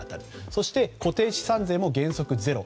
そして、固定資産税も原則ゼロ。